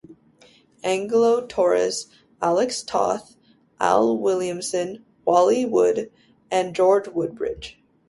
Angelo Torres, Alex Toth, Al Williamson, Wally Wood, and George Woodbridge.